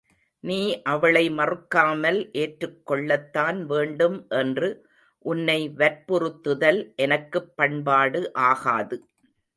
நீ அவளை மறுக்காமல் ஏற்றுக் கொள்ளத்தான் வேண்டும் என்று உன்னை வற்புறுத்துதல் எனக்குப் பண்பாடு ஆகாது.